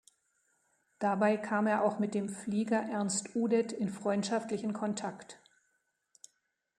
Dabei kam er auch mit dem Flieger Ernst Udet in freundschaftlichen Kontakt.